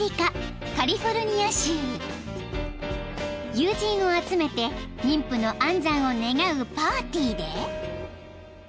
［友人を集めて妊婦の安産を願うパーティーで］